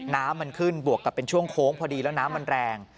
น้ำมันขึ้นบวกกับเป็นช่วงโค้งพอดีแล้วน้ำมันแรง